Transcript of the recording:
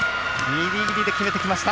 ギリギリで決めてきました！